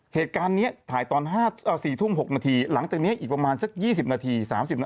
เหตุการณ์เนี่ยถ่ายตอน๑๖๐๖นาทีหลังจากนี้อีกประมาณสัก๒๐๓๐นาที